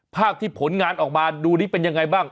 ภาพที่ผลงานออกมาดูนี้เป็นยังไงบ้าง